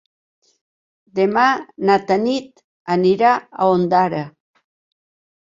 Demà na Tanit anirà a Ondara.